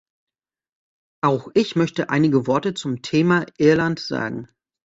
Auch ich möchte einige Worte zum Thema Irland sagen.